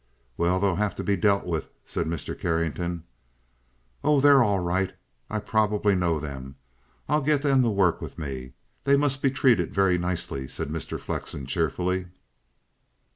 "Well, they'll have to be dealt with," said Mr. Carrington. "Oh, they're all right. I probably know them. I'll get them to work with me. They must be treated very nicely," said Mr. Flexen cheerfully.